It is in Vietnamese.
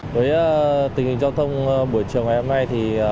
đối với tình hình giao thông buổi trường ngày hôm nay